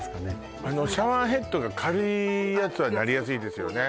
あのシャワーヘッドが軽いやつはなりやすいですよね